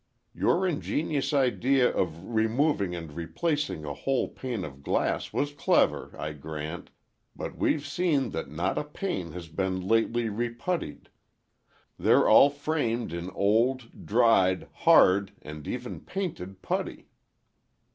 Your ingenious idea of removing and replacing a whole pane of glass was clever, I grant, but we've seen that not a pane has been lately reputtied. They're all framed in old, dried, hard, and even painted putty."